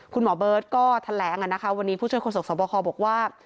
คุณหมอเบิร์ตก็แถลงวันนี้ผู้ช่วยโศกสวบคอบอกว่า